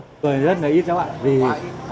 người dân là ít đó bạn ạ